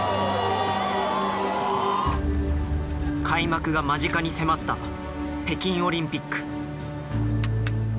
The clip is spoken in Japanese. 開幕が間近に迫った北京オリンピック。